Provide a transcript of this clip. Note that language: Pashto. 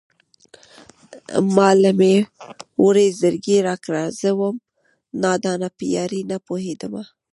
ما له مې وړی زړگی راکړه زه وم نادانه په يارۍ نه پوهېدمه